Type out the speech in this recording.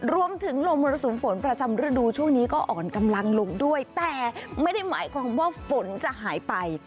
รวมถึงลมมรสุมฝนประจำฤดูช่วงนี้ก็อ่อนกำลังลงด้วยแต่ไม่ได้หมายความว่าฝนจะหายไป